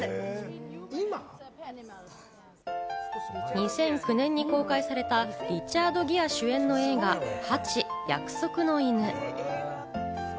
２００９年に公開されたリチャード・ギア主演の映画『ＨＡＣＨＩ約束の犬』。